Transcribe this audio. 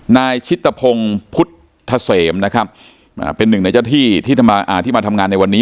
นายชิตพงศ์พุทธเสมนะครับเป็นหนึ่งในเจ้าที่ที่มาทำงานในวันนี้